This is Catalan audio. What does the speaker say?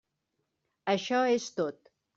Això és tot.